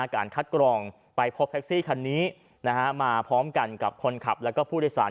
การคัดกรองไปพบแท็กซี่คันนี้มาพร้อมกันกับคนขับแล้วก็ผู้โดยสาร